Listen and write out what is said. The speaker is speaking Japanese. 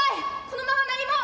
「このまま何も」